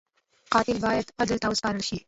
قاتل باید عدل ته وسپارل شي